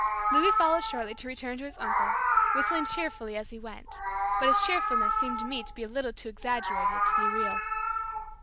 Louis followed shortly to return to his uncle's, whistling cheerfully as he went; but his cheerfulness seemed to me to be a little too exaggerated to be real.